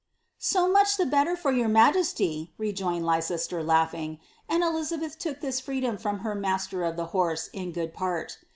"So much the better for your majesty," rejoined Leicester, laughing, and Elizabeth look this freedom from her master of ihe horee in good part.